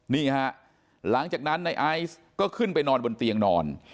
นี่ฮะหลังจากนั้นในไอซ์ก็ขึ้นไปนอนบนเตียงนอน